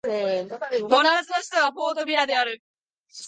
バヌアツの首都はポートビラである